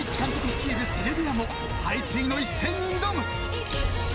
率いるセルビアも背水の一戦に挑む。